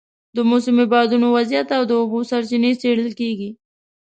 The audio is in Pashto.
د موسمي بادونو وضعیت او د اوبو سرچینې څېړل کېږي.